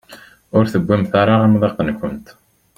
Ur tewwimt ara amḍiq-nkent.